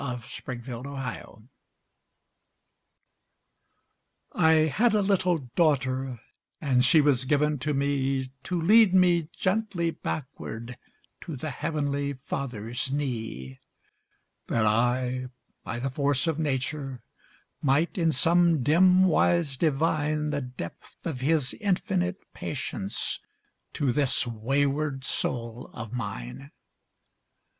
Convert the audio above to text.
THE CHANGELING. I had a little daughter, And she was given to me To lead me gently backward To the Heavenly Father's knee, That I, by the force of nature, Might in some dim wise divine The depth of his infinite patience To this wayward soul of mine.